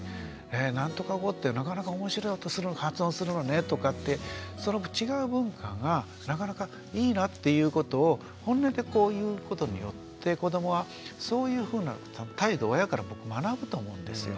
「なんとか語ってなかなか面白い発音するのね」とかってその違う文化がなかなかいいなっていうことを本音で言うことによって子どもはそういうふうな態度を親から学ぶと思うんですよ。